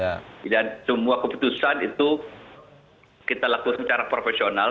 jadi kita tidak bisa mencari semua keputusan itu kita lakukan secara profesional